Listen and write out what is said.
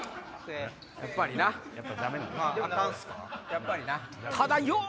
やっぱりな。